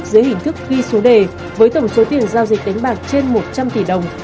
dưới hình thức ghi số đề với tổng số tiền giao dịch đánh bạc trên một trăm linh tỷ đồng